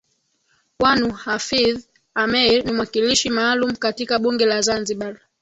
Wanu Hafidh Ameir ni mwakilishi maalum katika bunge la Zanzibar